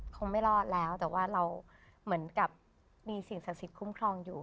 คงไม่รอดแล้วแต่ว่าเราเหมือนกับมีสิ่งศักดิ์สิทธิคุ้มครองอยู่